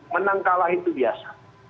menang kalah itu biasa